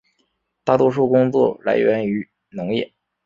大多数工作来源为农业。